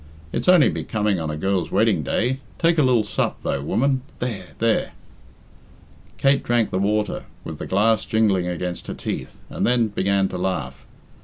It's only becoming on a girl's wedding day. Take a lil sup, though, woman there, there!" Kate drank the water, with the glass jingling against her teeth, and then began to laugh.